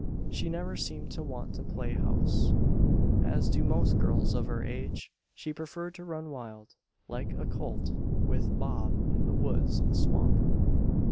She never seemed to want to "play house" as do most girls of her age. She preferred to run wild, like a colt, with Bob in the woods and swamp.